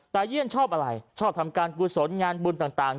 ตาเยี่ยนชอบทำการกุศลงานบุญต่าง